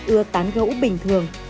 ưa tán gỗ bình thường